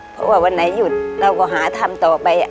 เพราะว่าวันไหนหยุดเราก็หาทำต่อไป